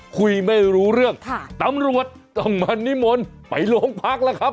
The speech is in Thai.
คุยไม่รู้เรื่องค่ะตำรวจต้องมานิมนต์ไปโรงพักแล้วครับ